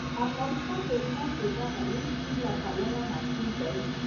افغانستان د هلمند د دغه لوی سیند لپاره مشهور دی.